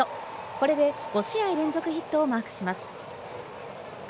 これで５試合連続ヒットをマークします。